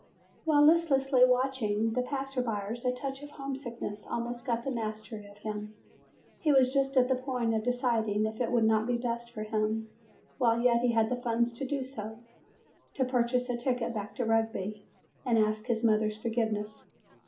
While listlessly watching the passersby a touch of homesickness almost got the mastery of him. He was just at the point of deciding if it would not be best for him while yet he had the funds to do so, to purchase a ticket back to Rugby and ask his mother's forgiveness.